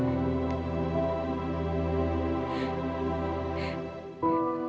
tete gak mau pulang